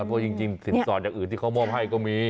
เพราะจริงสินสอดอย่างอื่นที่เขามอบให้ก็มี